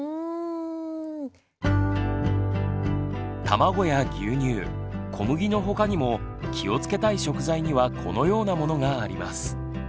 卵や牛乳小麦のほかにも気をつけたい食材にはこのようなものがあります。